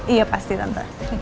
iya pasti tante